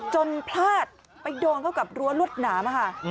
พลาดไปโดนเข้ากับรั้วรวดหนามค่ะ